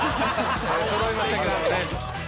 そろいましたけどもね。